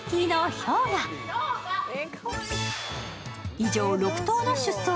以上６頭の出走。